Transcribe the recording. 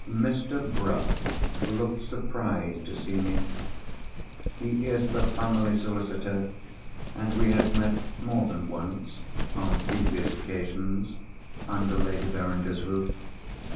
Mr. Bruff looked surprised to see me. He is the family solicitor, and we had met more than once, on previous occasions, under Lady Verinder's roof.